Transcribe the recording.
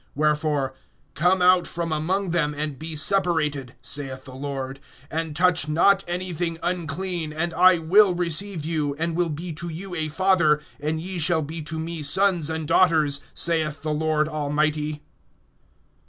(17)Wherefore, come out from among them, and be separated, saith the Lord, and touch not anything unclean; and I will receive you, (18)and will be to you a Father, and ye shall be to me sons and daughters, saith the Lord Almighty.